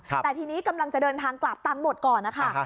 แต่ทีนี้กำลังจะเดินทางกลับตังค์หมดก่อนนะคะ